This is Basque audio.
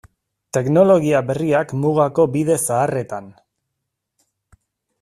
Teknologia berriak mugako bide zaharretan.